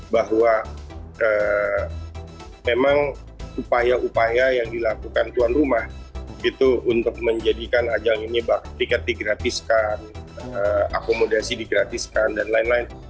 bahwa memang upaya upaya yang dilakukan tuan rumah itu untuk menjadikan ajang ini tiket digratiskan akomodasi digratiskan dan lain lain